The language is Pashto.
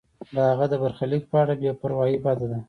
د هغه د برخلیک په اړه بې پروایی بده ده.